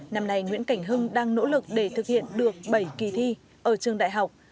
năm nay nguyễn cảnh hưng đang nỗ lực để thực hiện được bảy kỳ thi ở trường đại học